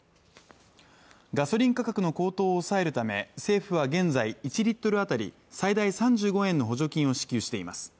ガソリン価格の高騰を抑えるため政府は現在１リットル当たり最大３５円の補助金を支給しています